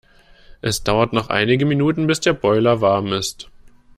Es dauert noch einige Minuten, bis der Boiler warm ist.